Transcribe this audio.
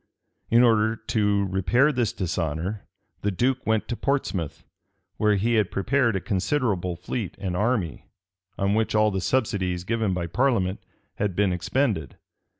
In order to repair this dishonor, the duke went to Portsmouth, where he had prepared a considerable fleet and army, on which all the subsidies given by parliament had been expended.